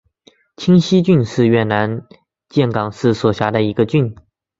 清溪郡是越南岘港市所辖的一个郡。